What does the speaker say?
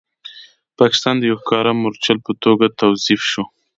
پاکستان د یو ښکاره مورچل په توګه توظیف شو.